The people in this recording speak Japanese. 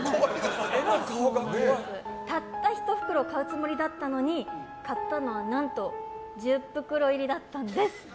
たった１袋買うつもりだったのに買ったのは何と１０袋入りだったんです。